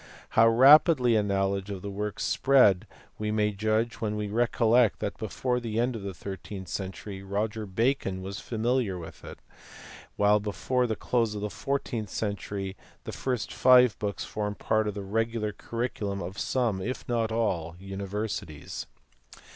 How rapidly a knowledge of the work spread we may judge when we recollect that before the end of the thir teenth century Roger Bacon was familiar with it, while before the close of the fourteenth century the first five books formed part of the regular curriculum at some, if not all, universities.